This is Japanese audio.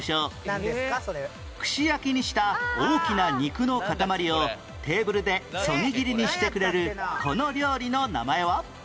串焼きにした大きな肉の塊をテーブルでそぎ切りにしてくれるこの料理の名前は？